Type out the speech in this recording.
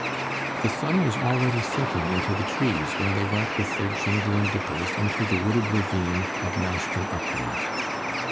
The sun was already sinking into the trees when they went with their jingling dippers into the wooded ravine of Mashkin Upland.